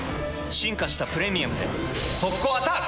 進化した「プレミアム」で速攻アタック！